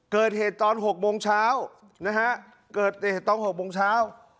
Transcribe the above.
เกิดเหตุตอน๖โมงเช้านะฮะเกิดเหตุตอน๖โมงเช้า